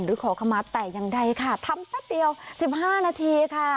ขอคำมาแต่อย่างใดค่ะทำแป๊บเดียว๑๕นาทีค่ะ